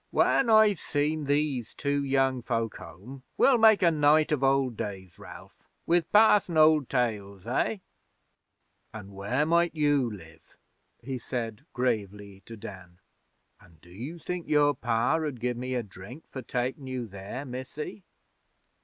'When I've seen these two young folk home, we'll make a night of old days, Ralph, with passin' old tales eh? An' where might you live?' he said, gravely, to Dan. 'An' do you think your Pa 'ud give me a drink for takin' you there, Missy?'